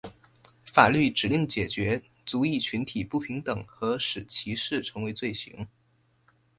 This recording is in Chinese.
法律指令解决族裔群体不平等和使歧视成为罪行。